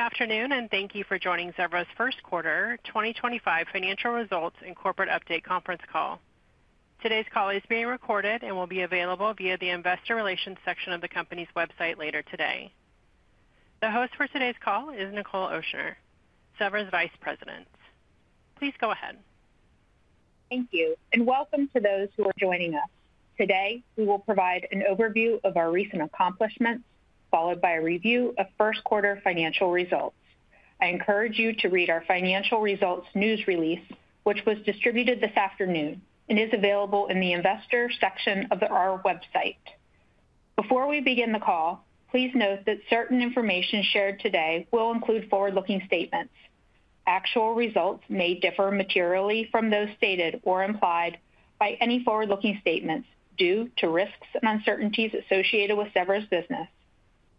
Good afternoon, and thank you for joining Zevra's First Quarter 2025 Financial Results and Corporate Update Conference Call. Today's call is being recorded and will be available via the Investor Relations section of the company's website later today. The host for today's call is Nichol Ochsner, Zevra's Vice President. Please go ahead. Thank you, and welcome to those who are joining us. Today, we will provide an overview of our recent accomplishments, followed by a review of first-quarter financial results. I encourage you to read our financial results news release, which was distributed this afternoon and is available in the Investor section of our website. Before we begin the call, please note that certain information shared today will include forward-looking statements. Actual results may differ materially from those stated or implied by any forward-looking statements due to risks and uncertainties associated with Zevra's business.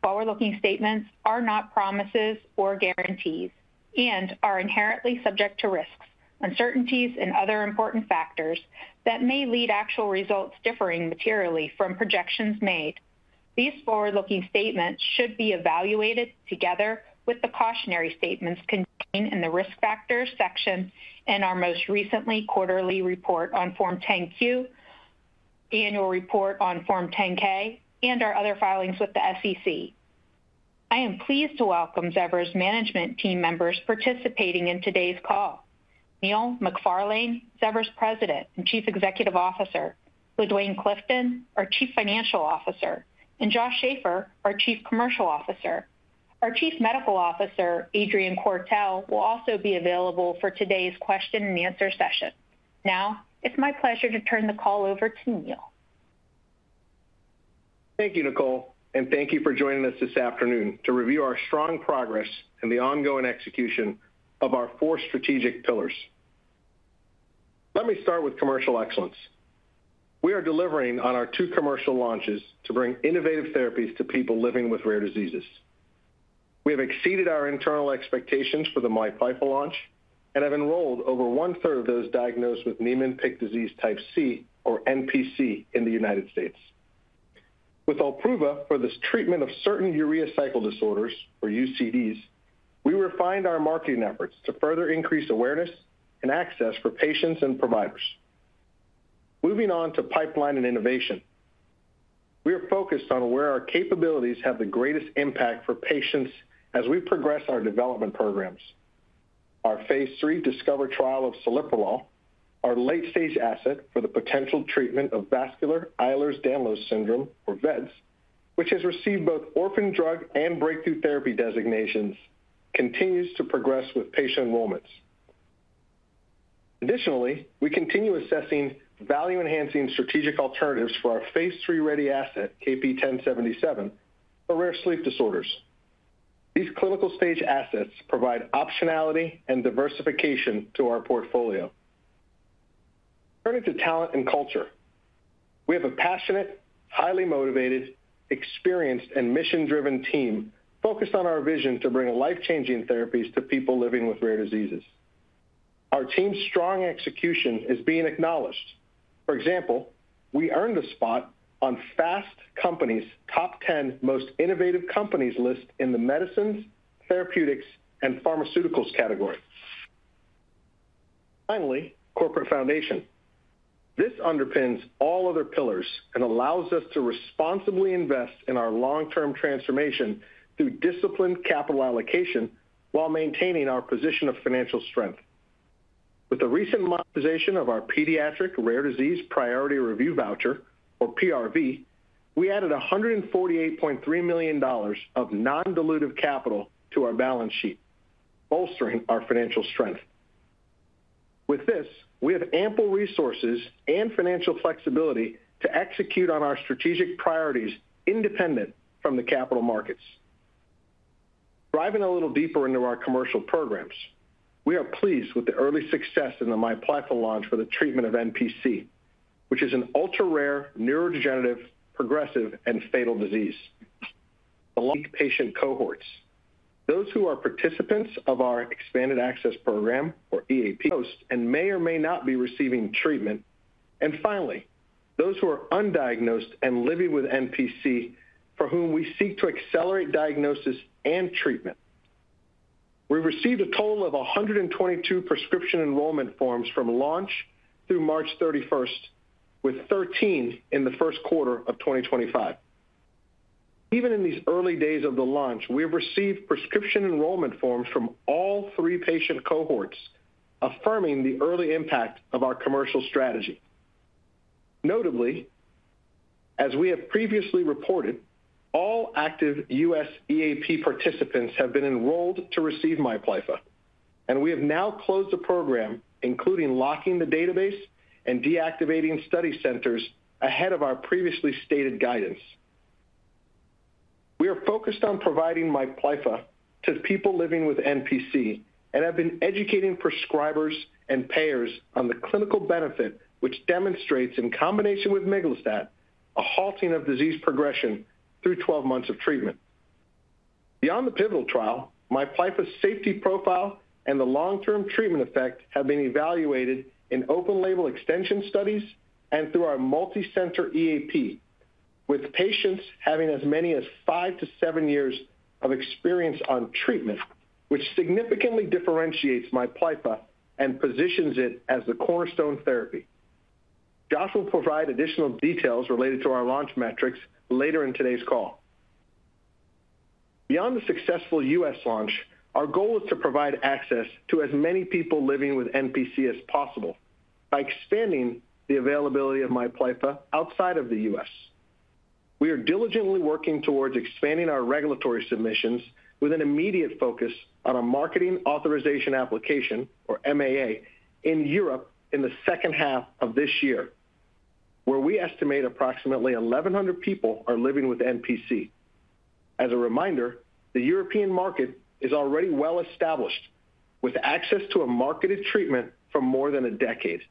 Forward-looking statements are not promises or guarantees and are inherently subject to risks, uncertainties, and other important factors that may lead to actual results differing materially from projections made. These forward-looking statements should be evaluated together with the cautionary statements contained in the risk factors section in our most recent quarterly report on Form 10Q, annual report on Form 10K, and our other filings with the SEC. I am pleased to welcome Zevra's management team members participating in today's call: Neil McFarlane, Zevra's President and Chief Executive Officer, LaDuane Clifton, our Chief Financial Officer, and Josh Schafer, our Chief Commercial Officer. Our Chief Medical Officer, Adrian Quartel, will also be available for today's question-and-answer session. Now, it's my pleasure to turn the call over to Neil. Thank you, Nichol, and thank you for joining us this afternoon to review our strong progress and the ongoing execution of our four strategic pillars. Let me start with commercial excellence. We are delivering on our two commercial launches to bring innovative therapies to people living with rare diseases. We have exceeded our internal expectations for the MIPLYFFA launch and have enrolled over one-third of those diagnosed with Niemann-Pick disease Type C, or NPC, in the United States. With OLPRUVA for the treatment of certain urea cycle disorders, or UCDs, we refined our marketing efforts to further increase awareness and access for patients and providers. Moving on to pipeline and innovation, we are focused on where our capabilities have the greatest impact for patients as we progress our development programs. Our phase III Discover trial of celiprolol, our late-stage asset for the potential treatment of vascular Ehlers-Danlos syndrome, or VEDS, which has received both orphan drug and breakthrough therapy designations, continues to progress with patient enrollments. Additionally, we continue assessing value-enhancing strategic alternatives for our phase III ready asset, KP1077, for rare sleep disorders. These clinical-stage assets provide optionality and diversification to our portfolio. Turning to talent and culture, we have a passionate, highly motivated, experienced, and mission-driven team focused on our vision to bring life-changing therapies to people living with rare diseases. Our team's strong execution is being acknowledged. For example, we earned a spot on Fast Company's Top 10 Most Innovative Companies list in the Medicines, Therapeutics, and Pharmaceuticals category. Finally, corporate foundation. This underpins all other pillars and allows us to responsibly invest in our long-term transformation through disciplined capital allocation while maintaining our position of financial strength. With the recent monetization of our Pediatric Rare Disease Priority Review Voucher, or PRV, we added $148.3 million of non-dilutive capital to our balance sheet, bolstering our financial strength. With this, we have ample resources and financial flexibility to execute on our strategic priorities independent from the capital markets. Driving a little deeper into our commercial programs, we are pleased with the early success in the MIPLYFFA launch for the treatment of NPC, which is an ultra-rare neurodegenerative progressive and fatal disease. The patient cohorts, those who are participants of our Expanded Access Program, or EAP, and may or may not be receiving treatment, and finally, those who are undiagnosed and living with NPC, for whom we seek to accelerate diagnosis and treatment. We received a total of 122 prescription enrollment forms from launch through March 31st, with 13 in the first quarter of 2025. Even in these early days of the launch, we have received prescription enrollment forms from all three patient cohorts, affirming the early impact of our commercial strategy. Notably, as we have previously reported, all active U.S. EAP participants have been enrolled to receive MIPLYFFA, and we have now closed the program, including locking the database and deactivating study centers ahead of our previously stated guidance. We are focused on providing MIPLYFFA to people living with NPC and have been educating prescribers and payers on the clinical benefit, which demonstrates, in combination with miglustat, a halting of disease progression through 12 months of treatment. Beyond the pivotal trial, MIPLYFFA's safety profile and the long-term treatment effect have been evaluated in open-label extension studies and through our multi-center EAP, with patients having as many as five to seven years of experience on treatment, which significantly differentiates MIPLYFFA and positions it as the cornerstone therapy. Josh will provide additional details related to our launch metrics later in today's call. Beyond the successful U.S. launch, our goal is to provide access to as many people living with NPC as possible by expanding the availability of MIPLYFFA outside of the U.S. We are diligently working towards expanding our regulatory submissions with an immediate focus on a marketing authorization application, or MAA, in Europe in the second half of this year, where we estimate approximately 1,100 people are living with NPC. As a reminder, the European market is already well established with access to a marketed treatment for more than a decade.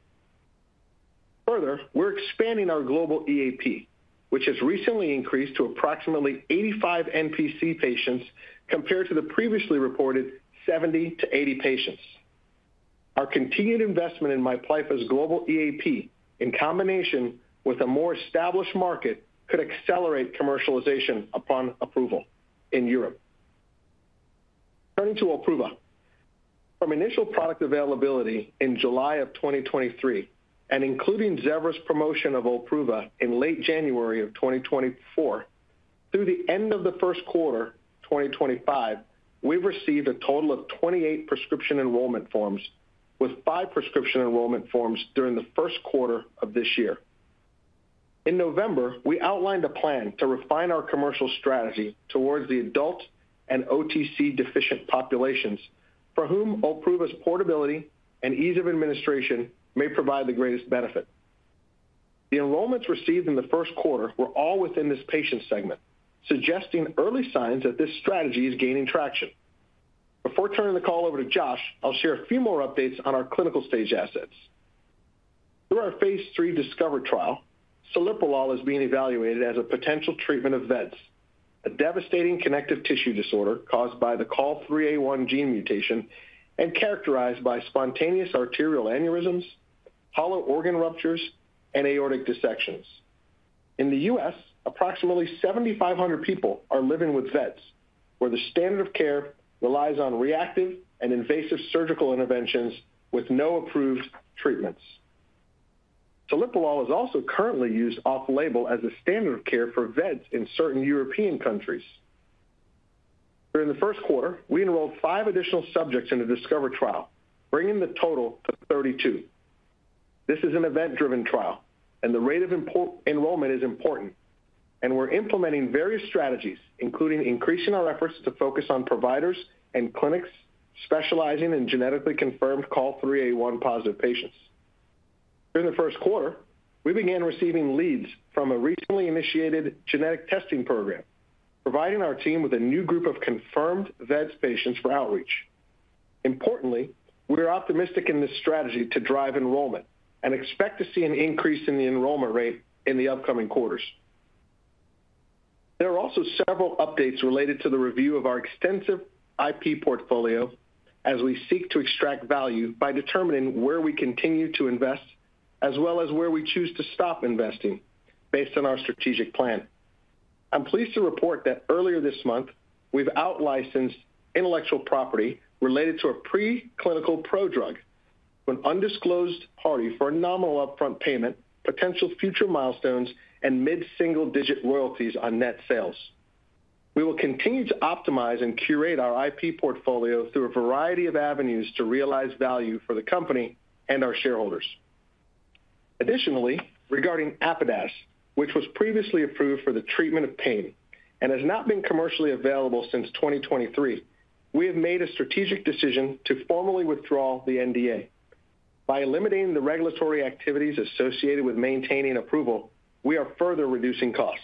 Further, we're expanding our global EAP, which has recently increased to approximately 85 NPC patients compared to the previously reported 70-80 patients. Our continued investment in MIPLYFFA's global EAP, in combination with a more established market, could accelerate commercialization upon approval in Europe. Turning to OLPRUVA, from initial product availability in July of 2023 and including Zevra's promotion of OLPRUVA in late January of 2024, through the end of the first quarter 2025, we've received a total of 28 prescription enrollment forms, with five prescription enrollment forms during the first quarter of this year. In November, we outlined a plan to refine our commercial strategy towards the adult and OTC deficient populations for whom OLPRUVA's portability and ease of administration may provide the greatest benefit. The enrollments received in the first quarter were all within this patient segment, suggesting early signs that this strategy is gaining traction. Before turning the call over to Josh, I'll share a few more updates on our clinical-stage assets. Through our phase III Discover trial, celiprolol is being evaluated as a potential treatment of VEDS, a devastating connective tissue disorder caused by the COL3A1 gene mutation and characterized by spontaneous arterial aneurysms, hollow organ ruptures, and aortic dissections. In the U.S., approximately 7,500 people are living with VEDS, where the standard of care relies on reactive and invasive surgical interventions with no approved treatments. celiprolol is also currently used off-label as the standard of care for VEDS in certain European countries. During the first quarter, we enrolled five additional subjects in the Discover trial, bringing the total to 32. This is an event-driven trial, and the rate of enrollment is important, and we're implementing various strategies, including increasing our efforts to focus on providers and clinics specializing in genetically confirmed COL3A1 positive patients. During the first quarter, we began receiving leads from a recently initiated genetic testing program, providing our team with a new group of confirmed VEDS patients for outreach. Importantly, we are optimistic in this strategy to drive enrollment and expect to see an increase in the enrollment rate in the upcoming quarters. There are also several updates related to the review of our extensive IP portfolio as we seek to extract value by determining where we continue to invest, as well as where we choose to stop investing based on our strategic plan. I'm pleased to report that earlier this month, we've out-licensed intellectual property related to a preclinical pro drug to an undisclosed party for a nominal upfront payment, potential future milestones, and mid-single-digit royalties on net sales. We will continue to optimize and curate our IP portfolio through a variety of avenues to realize value for the company and our shareholders. Additionally, regarding Apidax, which was previously approved for the treatment of pain and has not been commercially available since 2023, we have made a strategic decision to formally withdraw the NDA. By eliminating the regulatory activities associated with maintaining approval, we are further reducing costs.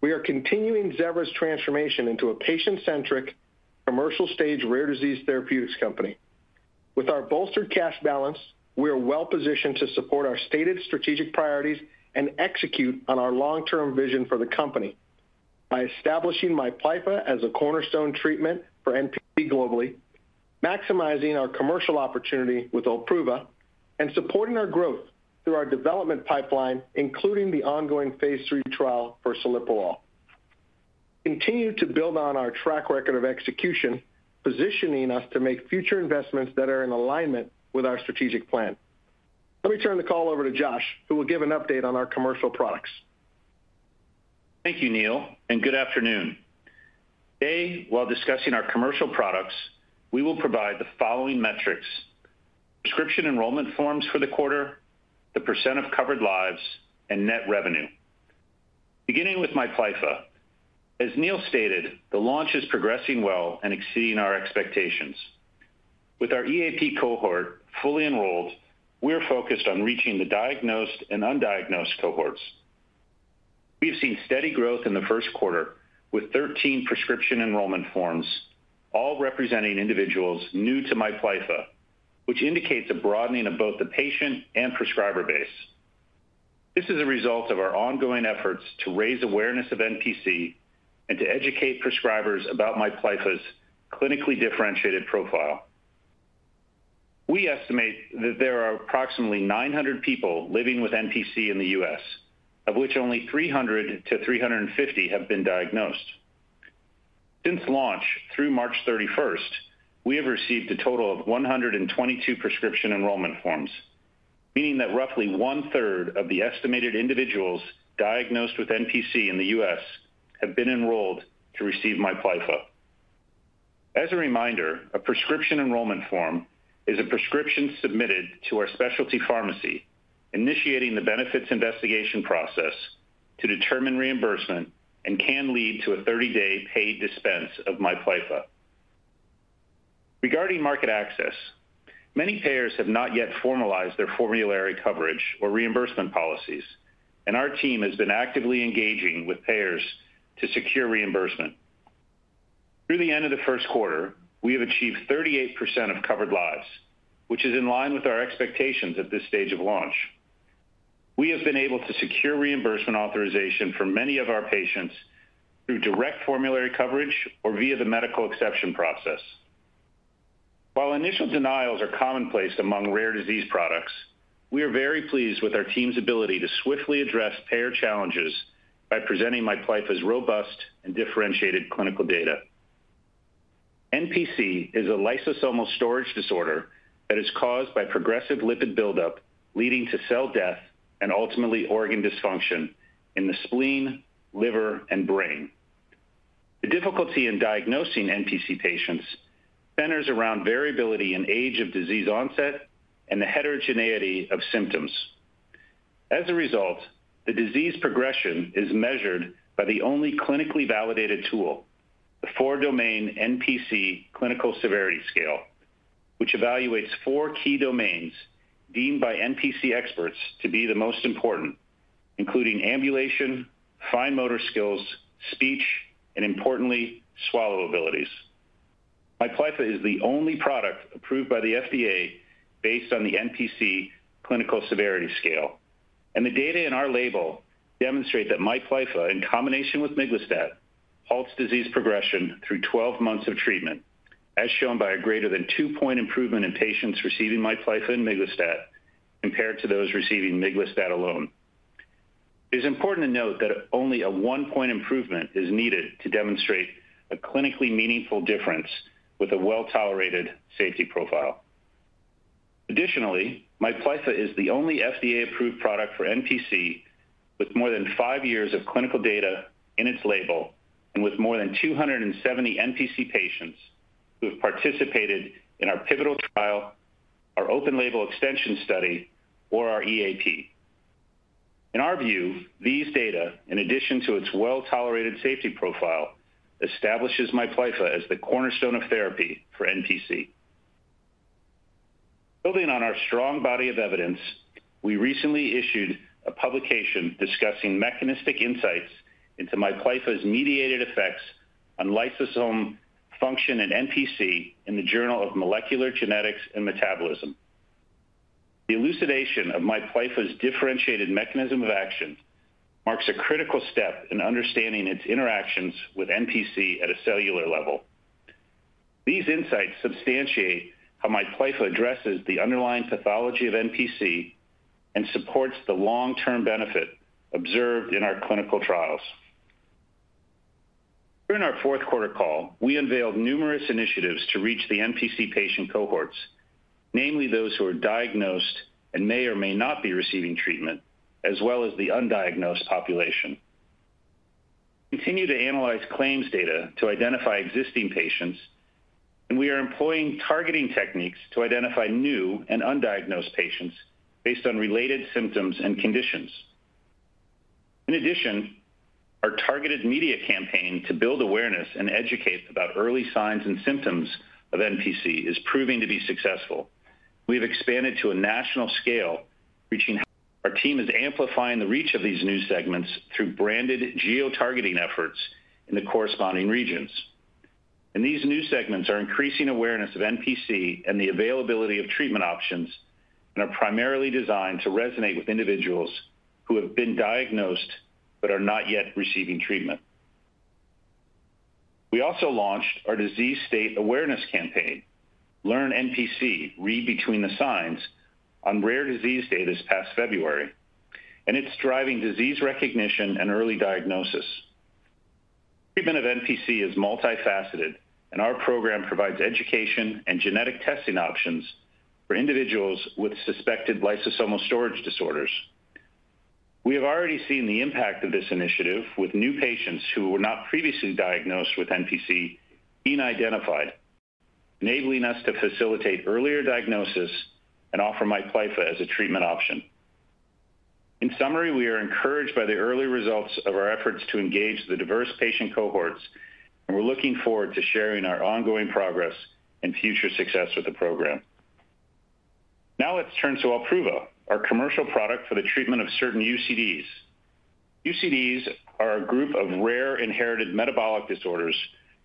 We are continuing Zevra's transformation into a patient-centric, commercial-stage rare disease therapeutics company. With our bolstered cash balance, we are well-positioned to support our stated strategic priorities and execute on our long-term vision for the company by establishing MIPLYFFA as a cornerstone treatment for NPC globally, maximizing our commercial opportunity with OLPRUVA, and supporting our growth through our development pipeline, including the ongoing phase III trial for celiprolol. We continue to build on our track record of execution, positioning us to make future investments that are in alignment with our strategic plan. Let me turn the call over to Josh, who will give an update on our commercial products. Thank you, Neil, and good afternoon. Today, while discussing our commercial products, we will provide the following metrics: prescription enrollment forms for the quarter, the % of covered lives, and net revenue. Beginning with MIPLYFFA, as Neil stated, the launch is progressing well and exceeding our expectations. With our EAP cohort fully enrolled, we are focused on reaching the diagnosed and undiagnosed cohorts. We have seen steady growth in the first quarter with 13 prescription enrollment forms, all representing individuals new to MIPLYFFA, which indicates a broadening of both the patient and prescriber base. This is a result of our ongoing efforts to raise awareness of NPC and to educate prescribers about MIPLYFFA's clinically differentiated profile. We estimate that there are approximately 900 people living with NPC in the U.S., of which only 300-350 have been diagnosed. Since launch through March 31st, we have received a total of 122 prescription enrollment forms, meaning that roughly one-third of the estimated individuals diagnosed with NPC in the U.S. have been enrolled to receive MIPLYFFA. As a reminder, a prescription enrollment form is a prescription submitted to our specialty pharmacy, initiating the benefits investigation process to determine reimbursement and can lead to a 30-day paid dispense of MIPLYFFA. Regarding market access, many payers have not yet formalized their formulary coverage or reimbursement policies, and our team has been actively engaging with payers to secure reimbursement. Through the end of the first quarter, we have achieved 38% of covered lives, which is in line with our expectations at this stage of launch. We have been able to secure reimbursement authorization for many of our patients through direct formulary coverage or via the medical exception process. While initial denials are commonplace among rare disease products, we are very pleased with our team's ability to swiftly address payer challenges by presenting MIPLYFFA's robust and differentiated clinical data. NPC is a lysosomal storage disorder that is caused by progressive lipid buildup, leading to cell death and ultimately organ dysfunction in the spleen, liver, and brain. The difficulty in diagnosing NPC patients centers around variability in age of disease onset and the heterogeneity of symptoms. As a result, the disease progression is measured by the only clinically validated tool, the four-domain NPC Clinical Severity Scale, which evaluates four key domains deemed by NPC experts to be the most important, including ambulation, fine motor skills, speech, and importantly, swallow abilities. MIPLYFFA is the only product approved by the FDA based on the NPC Clinical Severity Scale, and the data in our label demonstrate that MIPLYFFA, in combination with Miglustat, halts disease progression through 12 months of treatment, as shown by a greater than two-point improvement in patients receiving MIPLYFFA and miglustat compared to those receiving miglustat alone. It is important to note that only a one-point improvement is needed to demonstrate a clinically meaningful difference with a well-tolerated safety profile. Additionally, MIPLYFFA is the only FDA-approved product for NPC with more than five years of clinical data in its label and with more than 270 NPC patients who have participated in our pivotal trial, our open-label extension study, or our EAP. In our view, these data, in addition to its well-tolerated safety profile, establishes MIPLYFFA as the cornerstone of therapy for NPC. Building on our strong body of evidence, we recently issued a publication discussing mechanistic insights into MIPLYFFA's mediated effects on lysosome function and NPC in the Journal of Molecular Genetics and Metabolism. The elucidation of MIPLYFFA's differentiated mechanism of action marks a critical step in understanding its interactions with NPC at a cellular level. These insights substantiate how MIPLYFFA addresses the underlying pathology of NPC and supports the long-term benefit observed in our clinical trials. During our fourth quarter call, we unveiled numerous initiatives to reach the NPC patient cohorts, namely those who are diagnosed and may or may not be receiving treatment, as well as the undiagnosed population. We continue to analyze claims data to identify existing patients, and we are employing targeting techniques to identify new and undiagnosed patients based on related symptoms and conditions. In addition, our targeted media campaign to build awareness and educate about early signs and symptoms of NPC is proving to be successful. We have expanded to a national scale, reaching. Our team is amplifying the reach of these new segments through branded geotargeting efforts in the corresponding regions. These new segments are increasing awareness of NPC and the availability of treatment options and are primarily designed to resonate with individuals who have been diagnosed but are not yet receiving treatment. We also launched our disease state awareness campaign, Learn NPC, Read Between the Signs, on Rare Disease Day this past February, and it's driving disease recognition and early diagnosis. Treatment of NPC is multifaceted, and our program provides education and genetic testing options for individuals with suspected lysosomal storage disorders. We have already seen the impact of this initiative with new patients who were not previously diagnosed with NPC being identified, enabling us to facilitate earlier diagnosis and offer MIPLYFFA as a treatment option. In summary, we are encouraged by the early results of our efforts to engage the diverse patient cohorts, and we're looking forward to sharing our ongoing progress and future success with the program. Now let's turn to OLPRUVA, our commercial product for the treatment of certain UCDs. UCDs are a group of rare inherited metabolic disorders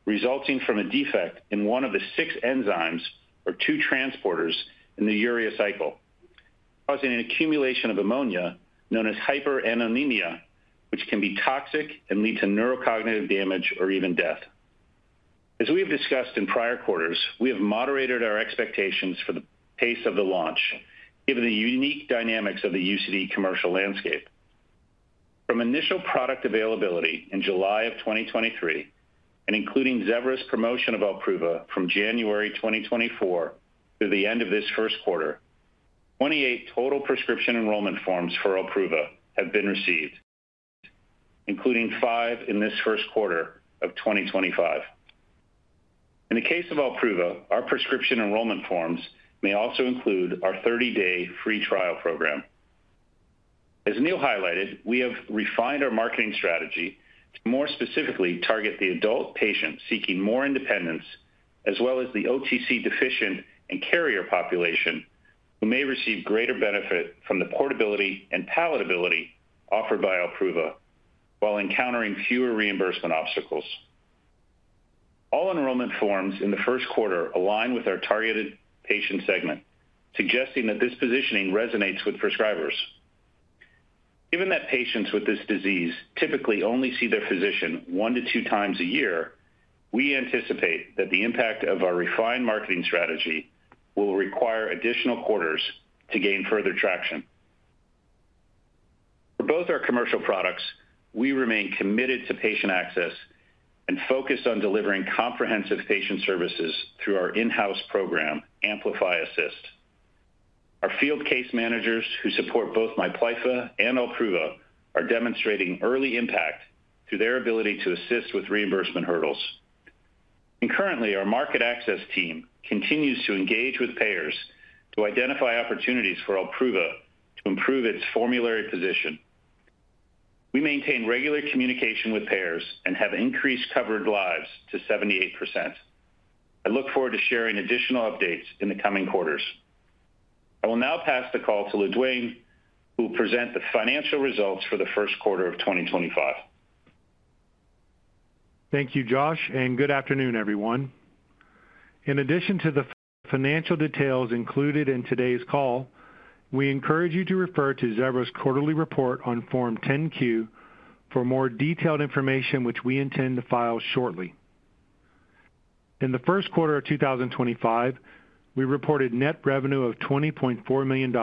resulting from a defect in one of the six enzymes or two transporters in the urea cycle, causing an accumulation of ammonia known as hyperammonemia, which can be toxic and lead to neurocognitive damage or even death. As we have discussed in prior quarters, we have moderated our expectations for the pace of the launch, given the unique dynamics of the UCD commercial landscape. From initial product availability in July 2023 and including Zevra's promotion of OLPRUVA from January 2024 through the end of this first quarter, 28 total prescription enrollment forms for OLPRUVA have been received, including five in this first quarter of 2025. In the case of OLPRUVA, our prescription enrollment forms may also include our 30-day free trial program. As Neil highlighted, we have refined our marketing strategy to more specifically target the adult patient seeking more independence, as well as the OTC deficient and carrier population who may receive greater benefit from the portability and palatability offered by OLPRUVA while encountering fewer reimbursement obstacles. All enrollment forms in the first quarter align with our targeted patient segment, suggesting that this positioning resonates with prescribers. Given that patients with this disease typically only see their physician one to two times a year, we anticipate that the impact of our refined marketing strategy will require additional quarters to gain further traction. For both our commercial products, we remain committed to patient access and focus on delivering comprehensive patient services through our in-house program, Amplify Assist. Our field case managers who support both MIPLYFFA and OLPRUVA are demonstrating early impact through their ability to assist with reimbursement hurdles. Our market access team continues to engage with payers to identify opportunities for OLPRUVA to improve its formulary position. We maintain regular communication with payers and have increased covered lives to 78%. I look forward to sharing additional updates in the coming quarters. I will now pass the call to LaDuane, who will present the financial results for the first quarter of 2025. Thank you, Josh, and good afternoon, everyone. In addition to the financial details included in today's call, we encourage you to refer to Zevra's quarterly report on Form 10Q for more detailed information, which we intend to file shortly. In the first quarter of 2025, we reported net revenue of $20.4 million,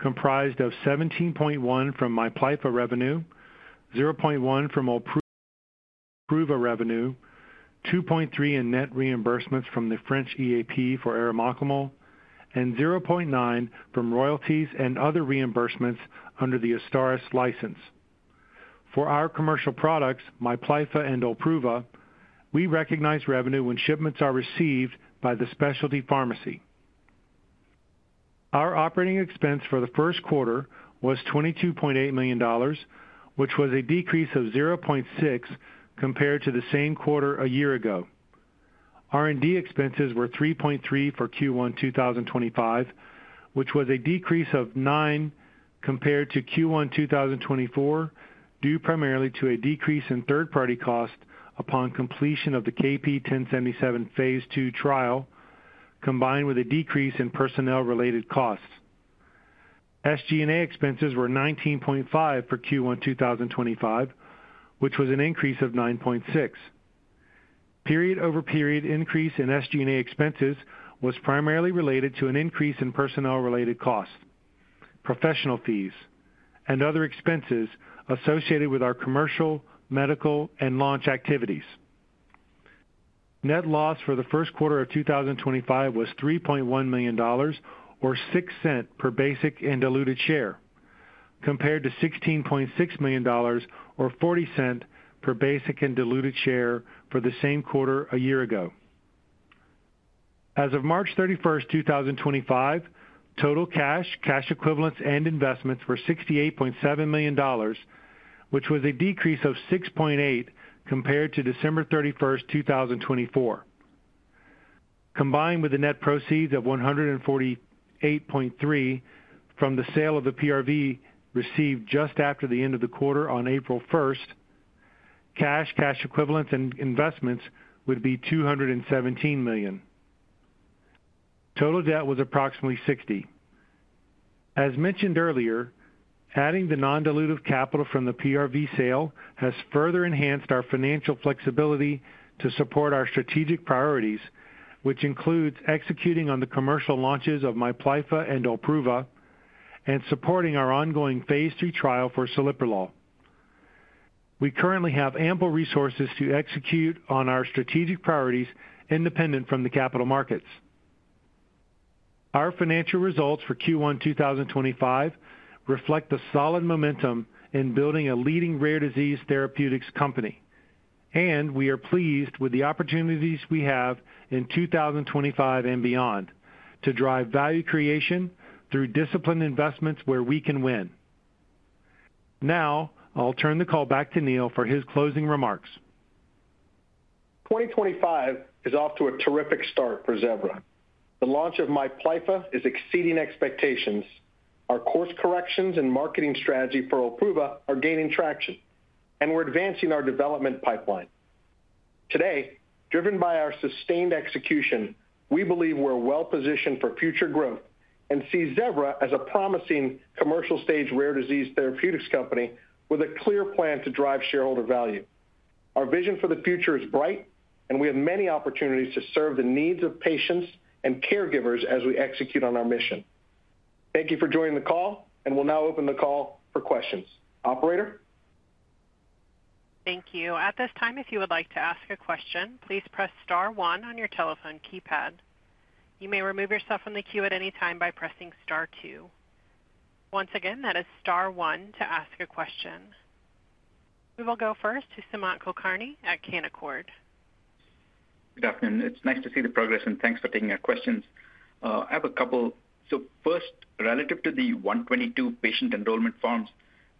comprised of $17.1 million from MIPLYFFA revenue, $0.1 million from OLPRUVA revenue, $2.3 million in net reimbursements from the French EAP for arimoclomol, and $0.9 million from royalties and other reimbursements under the Astaris license. For our commercial products, MIPLYFFA and OLPRUVA, we recognize revenue when shipments are received by the specialty pharmacy. Our operating expense for the first quarter was $22.8 million, which was a decrease of $0.6 million compared to the same quarter a year ago. R&D expenses were $3.3 million for Q1 2025, which was a decrease of $9 million compared to Q1 2024, due primarily to a decrease in third-party costs upon completion of the KP1077 phase two trial, combined with a decrease in personnel-related costs. SG&A expenses were $19.5 million for Q1 2025, which was an increase of $9.6 million. Period-over-period increase in SG&A expenses was primarily related to an increase in personnel-related costs, professional fees, and other expenses associated with our commercial, medical, and launch activities. Net loss for the first quarter of 2025 was $3.1 million, or $0.06 per basic and diluted share, compared to $16.6 million, or $0.40 per basic and diluted share for the same quarter a year ago. As of March 31st 2025, total cash, cash equivalents, and investments were $68.7 million, which was a decrease of $6.8 million compared to December 31, 2024. Combined with the net proceeds of $148.3 million from the sale of the PRV received just after the end of the quarter on April 1, cash, cash equivalents, and investments would be $217 million. Total debt was approximately $60 million. As mentioned earlier, adding the non-dilutive capital from the PRV sale has further enhanced our financial flexibility to support our strategic priorities, which includes executing on the commercial launches of MIPLYFFA and OLPRUVA and supporting our ongoing phase three trial for celiprolol. We currently have ample resources to execute on our strategic priorities independent from the capital markets. Our financial results for Q1 2025 reflect the solid momentum in building a leading rare disease therapeutics company, and we are pleased with the opportunities we have in 2025 and beyond to drive value creation through disciplined investments where we can win. Now, I'll turn the call back to Neil for his closing remarks. 2025 is off to a terrific start for Zevra. The launch of MIPLYFFA is exceeding expectations. Our course corrections and marketing strategy for OLPRUVA are gaining traction, and we're advancing our development pipeline. Today, driven by our sustained execution, we believe we're well-positioned for future growth and see Zevra as a promising commercial-stage rare disease therapeutics company with a clear plan to drive shareholder value. Our vision for the future is bright, and we have many opportunities to serve the needs of patients and caregivers as we execute on our mission. Thank you for joining the call, and we'll now open the call for questions. Operator? Thank you. At this time, if you would like to ask a question, please press star one on your telephone keypad. You may remove yourself from the queue at any time by pressing star two. Once again, that is star one to ask a question. We will go first to Sumant Kulkarni at Canaccord. Good afternoon. It's nice to see the progress, and thanks for taking our questions. I have a couple. First, relative to the 122 patient enrollment forms,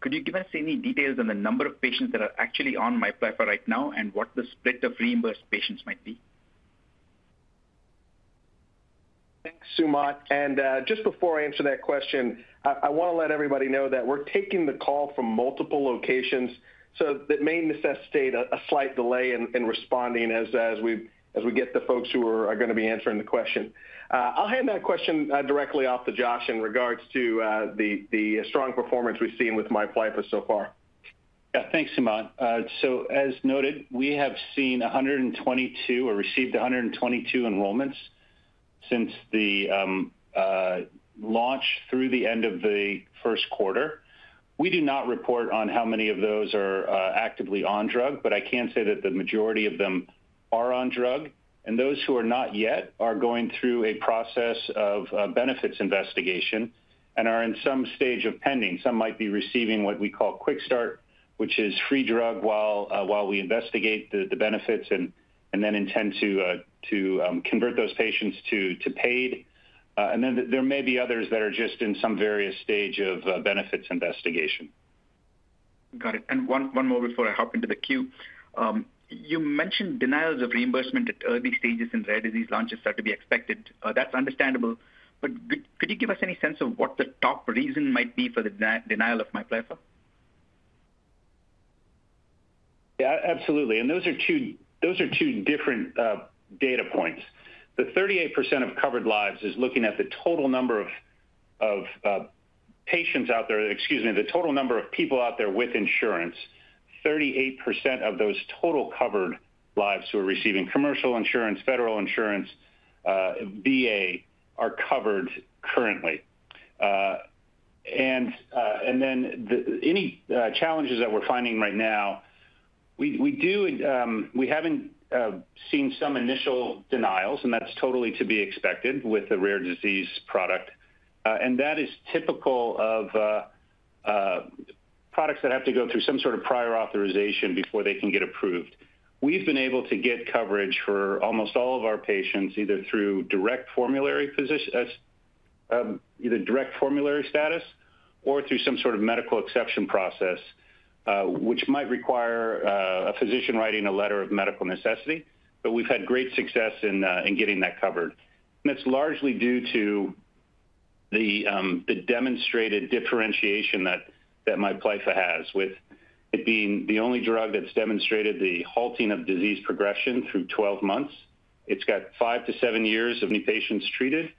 could you give us any details on the number of patients that are actually on MIPLYFFA right now and what the split of reimbursed patients might be? Thanks, Sumant. Just before I answer that question, I want to let everybody know that we're taking the call from multiple locations, so that may necessitate a slight delay in responding as we get the folks who are going to be answering the question. I'll hand that question directly off to Josh in regards to the strong performance we've seen with MIPLYFFA so far. Yeah, thanks, Sumant. As noted, we have seen 122 or received 122 enrollments since the launch through the end of the first quarter. We do not report on how many of those are actively on drug, but I can say that the majority of them are on drug. Those who are not yet are going through a process of benefits investigation and are in some stage of pending. Some might be receiving what we call Quick Start, which is free drug while we investigate the benefits and then intend to convert those patients to paid. There may be others that are just in some various stage of benefits investigation. Got it. And one more before I hop into the queue. You mentioned denials of reimbursement at early stages in rare disease launches start to be expected. That's understandable. Could you give us any sense of what the top reason might be for the denial of MIPLYFFA? Yeah, absolutely. Those are two different data points. The 38% of covered lives is looking at the total number of patients out there—excuse me—the total number of people out there with insurance. 38% of those total covered lives who are receiving commercial insurance, federal insurance, VA are covered currently. Any challenges that we're finding right now, we have seen some initial denials, and that's totally to be expected with the rare disease product. That is typical of products that have to go through some sort of prior authorization before they can get approved. We've been able to get coverage for almost all of our patients, either through direct formulary status or through some sort of medical exception process, which might require a physician writing a letter of medical necessity. We've had great success in getting that covered. That's largely due to the demonstrated differentiation that MIPLYFFA has, with it being the only drug that's demonstrated the halting of disease progression through 12 months. It's got five to seven years of patients treated.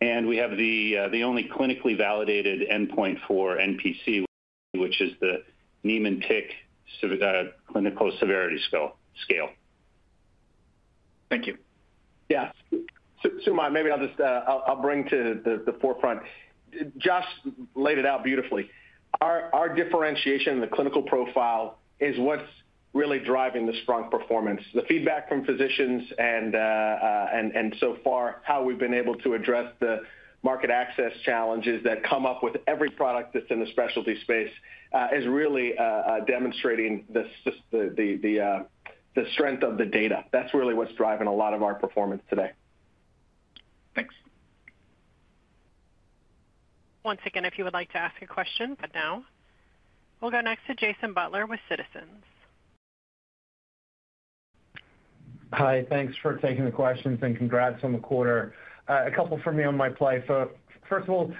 We have the only clinically validated endpoint for NPC, which is the Niemann-Pick Clinical Severity Scale. Thank you. Yeah. Sumant, maybe I'll just bring to the forefront. Josh laid it out beautifully. Our differentiation in the clinical profile is what's really driving the strong performance. The feedback from physicians and so far how we've been able to address the market access challenges that come up with every product that's in the specialty space is really demonstrating the strength of the data. That's really what's driving a lot of our performance today. Thanks. Once again, if you would like to ask a question, we will go next to Jason Butler with Citizens. Hi, thanks for taking the questions and congrats on the quarter. A couple for me on MIPLYFFA. First of all,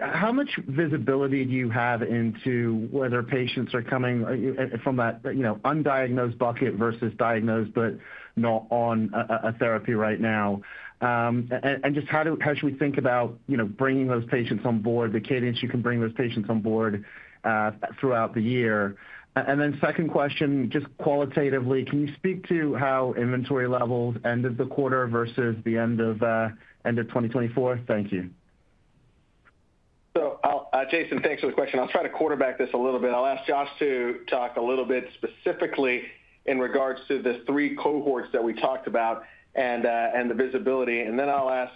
how much visibility do you have into whether patients are coming from that undiagnosed bucket versus diagnosed but not on a therapy right now? Just how should we think about bringing those patients on board, the cadence you can bring those patients on board throughout the year? Second question, just qualitatively, can you speak to how inventory levels, end of the quarter versus the end of 2024? Thank you. Jason, thanks for the question. I'll try to quarterback this a little bit. I'll ask Josh to talk a little bit specifically in regards to the three cohorts that we talked about and the visibility. I'll ask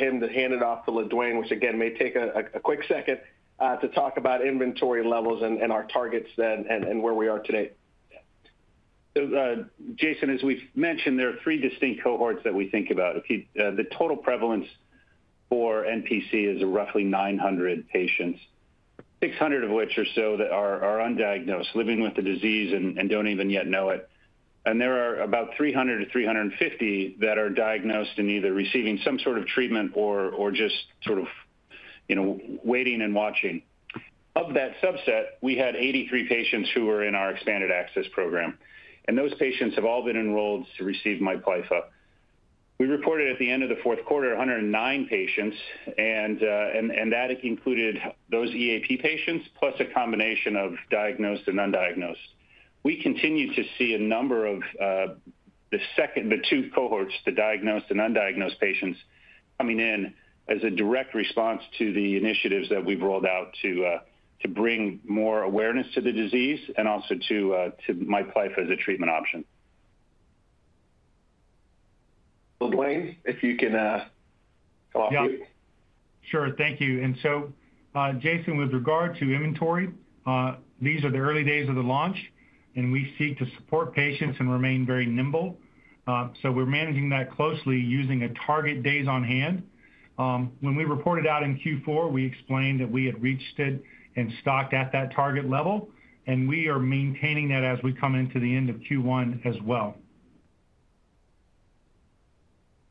him to hand it off to LaDuane, which again may take a quick second to talk about inventory levels and our targets and where we are today. Jason, as we've mentioned, there are three distinct cohorts that we think about. The total prevalence for NPC is roughly 900 patients, 600 of which or so are undiagnosed, living with the disease and don't even yet know it. There are about 300-350 that are diagnosed and either receiving some sort of treatment or just sort of waiting and watching. Of that subset, we had 83 patients who were in our expanded access program. Those patients have all been enrolled to receive MIPLYFFA. We reported at the end of the fourth quarter 109 patients, and that included those EAP patients plus a combination of diagnosed and undiagnosed. We continue to see a number of the two cohorts, the diagnosed and undiagnosed patients, coming in as a direct response to the initiatives that we've rolled out to bring more awareness to the disease and also to MIPLYFFA as a treatment option. LaDuane, if you can come off mute. Yeah. Sure. Thank you. Jason, with regard to inventory, these are the early days of the launch, and we seek to support patients and remain very nimble. We are managing that closely using a target days on hand. When we reported out in Q4, we explained that we had reached it and stocked at that target level, and we are maintaining that as we come into the end of Q1 as well.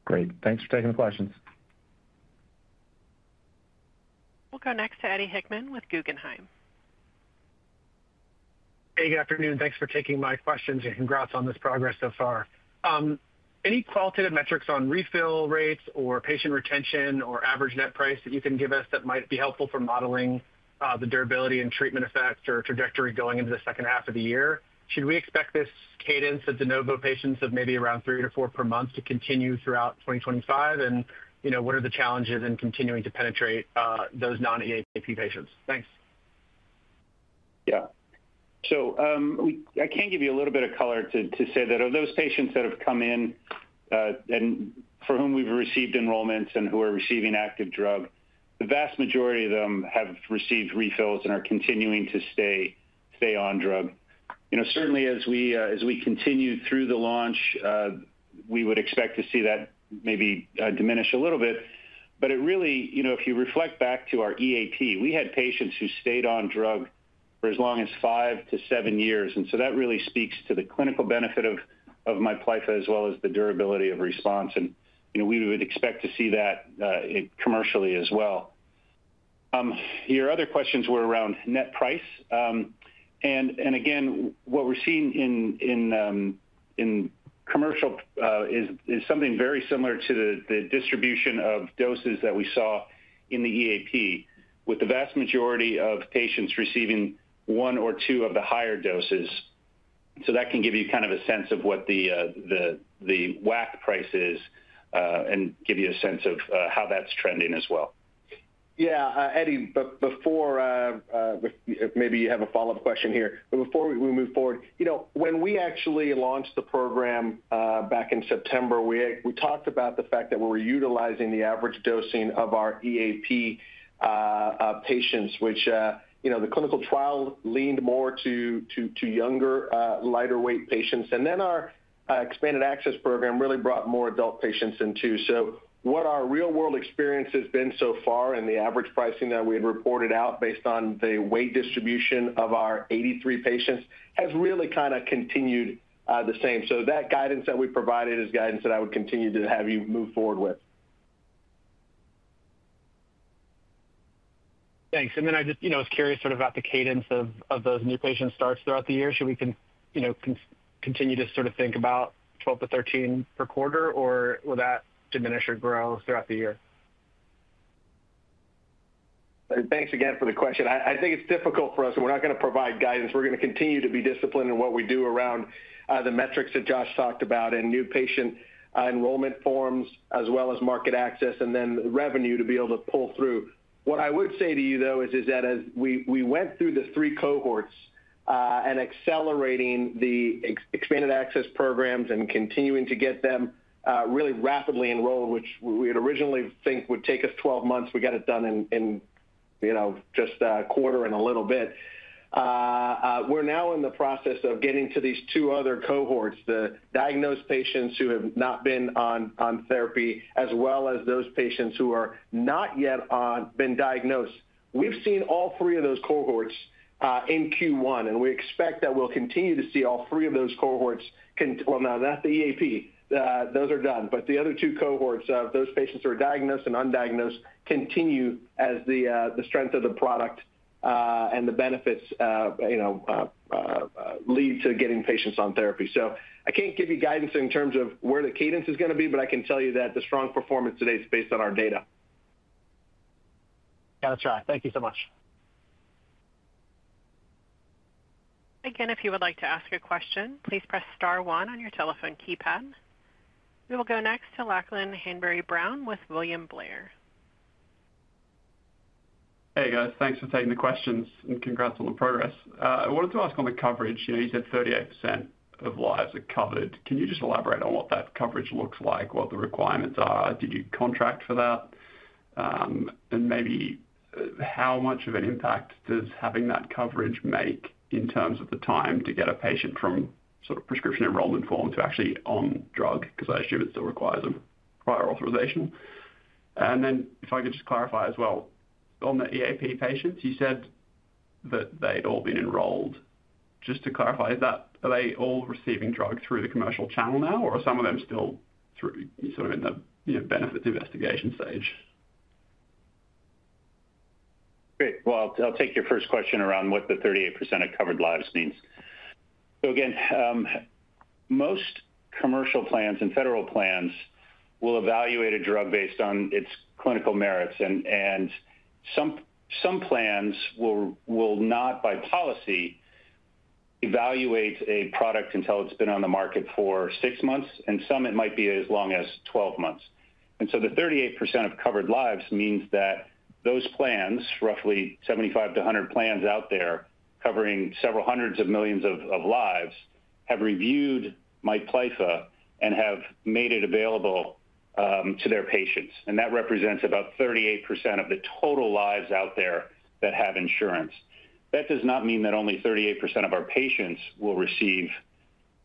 Great. Thanks for taking the questions. We'll go next to Eddie Hickman with Guggenheim. Hey, good afternoon. Thanks for taking my questions and congrats on this progress so far. Any qualitative metrics on refill rates or patient retention or average net price that you can give us that might be helpful for modeling the durability and treatment effects or trajectory going into the second half of the year? Should we expect this cadence of de novo patients of maybe around three to four per month to continue throughout 2025? What are the challenges in continuing to penetrate those non-EAP patients? Thanks. Yeah. So I can give you a little bit of color to say that of those patients that have come in and for whom we've received enrollments and who are receiving active drug, the vast majority of them have received refills and are continuing to stay on drug. Certainly, as we continue through the launch, we would expect to see that maybe diminish a little bit. If you reflect back to our EAP, we had patients who stayed on drug for as long as five to seven years. That really speaks to the clinical benefit of MIPLYFFA as well as the durability of response. We would expect to see that commercially as well. Your other questions were around net price. What we're seeing in commercial is something very similar to the distribution of doses that we saw in the EAP, with the vast majority of patients receiving one or two of the higher doses. That can give you kind of a sense of what the WAC price is and give you a sense of how that's trending as well. Yeah. Eddie, before maybe you have a follow-up question here, but before we move forward, when we actually launched the program back in September, we talked about the fact that we were utilizing the average dosing of our EAP patients, which the clinical trial leaned more to younger, lighter-weight patients. Then our expanded access program really brought more adult patients in too. What our real-world experience has been so far and the average pricing that we had reported out based on the weight distribution of our 83 patients has really kind of continued the same. That guidance that we provided is guidance that I would continue to have you move forward with. Thanks. I was curious sort of about the cadence of those new patient starts throughout the year. Should we continue to sort of think about 12-13 per quarter, or will that diminish or grow throughout the year? Thanks again for the question. I think it's difficult for us. We're not going to provide guidance. We're going to continue to be disciplined in what we do around the metrics that Josh talked about and new patient enrollment forms as well as market access and then revenue to be able to pull through. What I would say to you, though, is that as we went through the three cohorts and accelerating the expanded access programs and continuing to get them really rapidly enrolled, which we had originally thought would take us 12 months, we got it done in just a quarter and a little bit. We're now in the process of getting to these two other cohorts, the diagnosed patients who have not been on therapy as well as those patients who have not yet been diagnosed. We've seen all three of those cohorts in Q1, and we expect that we'll continue to see all three of those cohorts. No, not the EAP. Those are done. The other two cohorts of those patients who are diagnosed and undiagnosed continue as the strength of the product and the benefits lead to getting patients on therapy. I can't give you guidance in terms of where the cadence is going to be, but I can tell you that the strong performance today is based on our data. Got to try. Thank you so much. Again, if you would like to ask a question, please press star one on your telephone keypad. We will go next to Lachlan Hanbury-Brown with William Blair. Hey, guys. Thanks for taking the questions and congrats on the progress. I wanted to ask on the coverage. You said 38% of lives are covered. Can you just elaborate on what that coverage looks like, what the requirements are? Did you contract for that? Maybe how much of an impact does having that coverage make in terms of the time to get a patient from sort of prescription enrollment form to actually on drug? I assume it still requires a prior authorization. If I could just clarify as well, on the EAP patients, you said that they'd all been enrolled. Just to clarify, are they all receiving drug through the commercial channel now, or are some of them still sort of in the benefits investigation stage? Great. I'll take your first question around what the 38% of covered lives means. Again, most commercial plans and federal plans will evaluate a drug based on its clinical merits. Some plans will not, by policy, evaluate a product until it's been on the market for six months, and some it might be as long as 12 months. The 38% of covered lives means that those plans, roughly 75-100 plans out there covering several hundreds of millions of lives, have reviewed MIPLYFFA and have made it available to their patients. That represents about 38% of the total lives out there that have insurance. That does not mean that only 38% of our patients will receive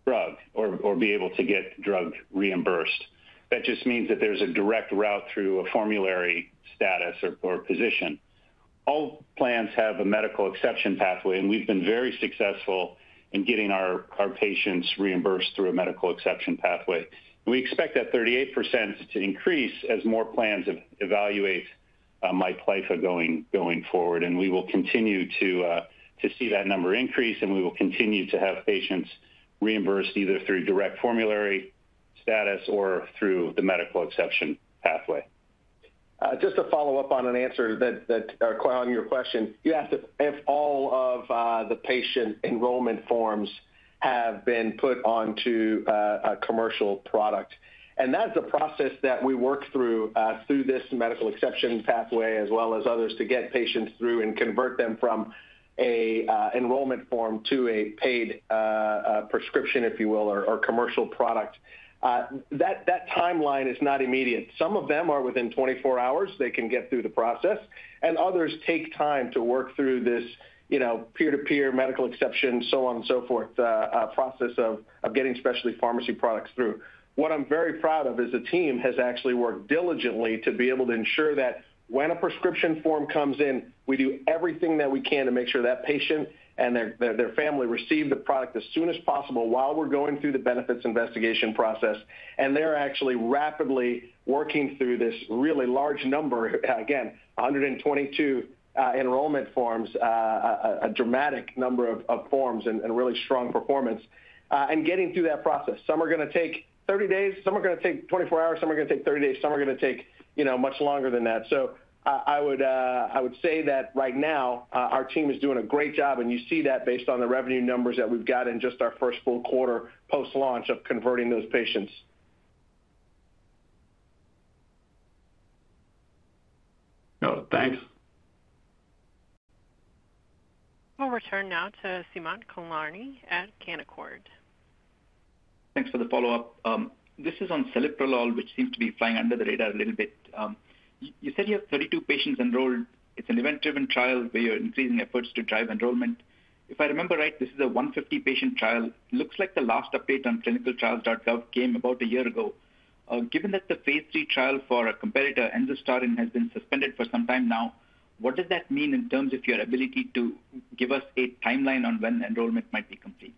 drug or be able to get drug reimbursed. That just means that there's a direct route through a formulary status or position. All plans have a medical exception pathway, and we've been very successful in getting our patients reimbursed through a medical exception pathway. We expect that 38% to increase as more plans evaluate MIPLYFFA going forward. We will continue to see that number increase, and we will continue to have patients reimbursed either through direct formulary status or through the medical exception pathway. Just to follow up on an answer on your question, you asked if all of the patient enrollment forms have been put onto a commercial product. That is a process that we work through this medical exception pathway as well as others to get patients through and convert them from an enrollment form to a paid prescription, if you will, or commercial product. That timeline is not immediate. Some of them are within 24 hours. They can get through the process. Others take time to work through this peer-to-peer medical exception, so on and so forth process of getting specialty pharmacy products through. What I'm very proud of is the team has actually worked diligently to be able to ensure that when a prescription form comes in, we do everything that we can to make sure that patient and their family receive the product as soon as possible while we're going through the benefits investigation process. They're actually rapidly working through this really large number, again, 122 enrollment forms, a dramatic number of forms and really strong performance, and getting through that process. Some are going to take 30 days. Some are going to take 24 hours. Some are going to take 30 days. Some are going to take much longer than that. I would say that right now our team is doing a great job, and you see that based on the revenue numbers that we've got in just our first full quarter post-launch of converting those patients. Thanks. We'll return now to Sumant Kulkarni at Canaccord. Thanks for the follow-up. This is on celiprolol, which seems to be flying under the radar a little bit. You said you have 32 patients enrolled. It's an event-driven trial where you're increasing efforts to drive enrollment. If I remember right, this is a 150-patient trial. Looks like the last update on clinicaltrials.gov came about a year ago. Given that the phase three trial for a competitor, Enzostarin, has been suspended for some time now, what does that mean in terms of your ability to give us a timeline on when enrollment might be complete?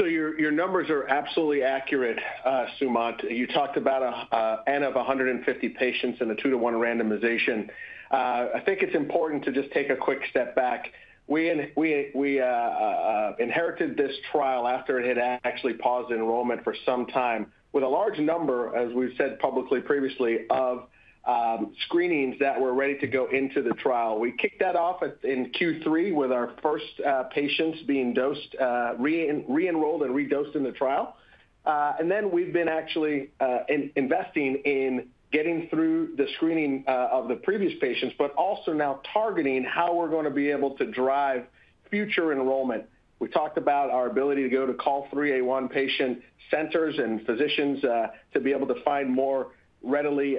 Your numbers are absolutely accurate, Sumant. You talked about 100 of 150 patients and a two-to-one randomization. I think it's important to just take a quick step back. We inherited this trial after it had actually paused enrollment for some time with a large number, as we've said publicly previously, of screenings that were ready to go into the trial. We kicked that off in Q3 with our first patients being re-enrolled and redosed in the trial. We've been actually investing in getting through the screening of the previous patients, but also now targeting how we're going to be able to drive future enrollment. We talked about our ability to go to COL3A1 patient centers and physicians to be able to find more readily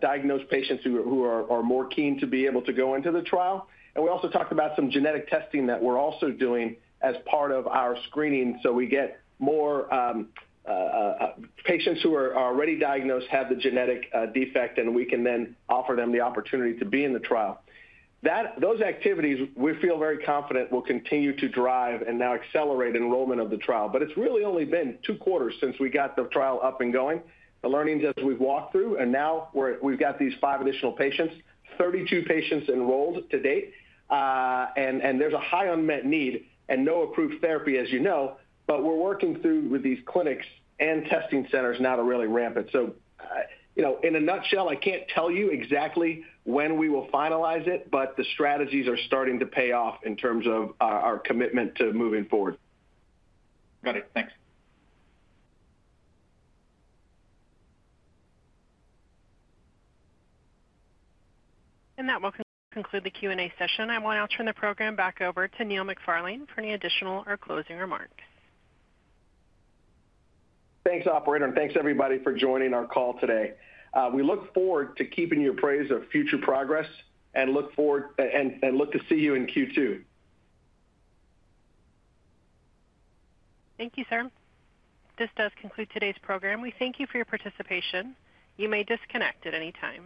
diagnosed patients who are more keen to be able to go into the trial. We also talked about some genetic testing that we're also doing as part of our screening so we get more patients who are already diagnosed, have the genetic defect, and we can then offer them the opportunity to be in the trial. Those activities, we feel very confident, will continue to drive and now accelerate enrollment of the trial. It's really only been two quarters since we got the trial up and going. The learnings as we've walked through, and now we've got these five additional patients, 32 patients enrolled to date. There's a high unmet need and no approved therapy, as you know, but we're working through with these clinics and testing centers now to really ramp it. In a nutshell, I can't tell you exactly when we will finalize it, but the strategies are starting to pay off in terms of our commitment to moving forward. Got it. Thanks. That will conclude the Q&A session. I will now turn the program back over to Neil McFarlane for any additional or closing remarks. Thanks, operator, and thanks, everybody, for joining our call today. We look forward to keeping you appraised of future progress and look to see you in Q2. Thank you, sir. This does conclude today's program. We thank you for your participation. You may disconnect at any time.